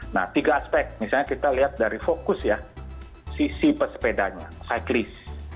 nah tiga aspek misalnya kita lihat dari fokus ya sisi pesepedanya cyclist